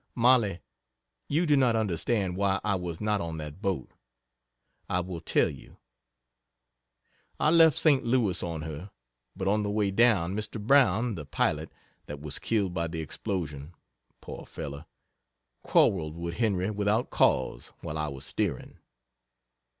Mollie you do not understand why I was not on that boat I will tell you. I left Saint Louis on her, but on the way down, Mr. Brown, the pilot that was killed by the explosion (poor fellow,) quarreled with Henry without cause, while I was steering.